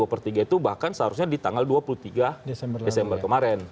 dua per tiga itu bahkan seharusnya di tanggal dua puluh tiga desember kemarin